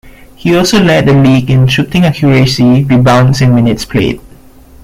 He also led the league in shooting accuracy, rebounds and minutes played.